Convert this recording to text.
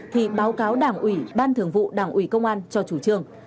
thì báo cáo đảng ủy ban thường vụ đảng ủy công an cho chủ trương